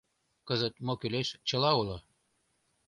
Кызыт мо кӱлеш — чыла уло.